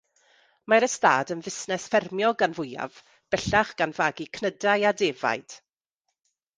Mae'r ystâd yn fusnes ffermio gan fwyaf, bellach, gan fagu cnydau a defaid.